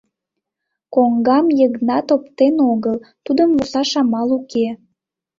Коҥгам Йыгнат оптен огыл, тудым вурсаш амал уке.